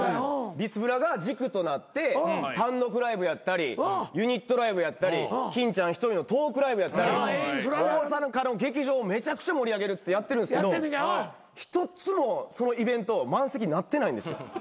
ビスブラが軸となって単独ライブやったりユニットライブやったりきんちゃん一人のトークライブやったり大阪の劇場をめちゃくちゃ盛り上げるっつってやってるんですけど１つもそのイベント満席になってないんですよ。